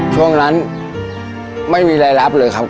ช่วงนั้นไม่มีรายรับเลยครับ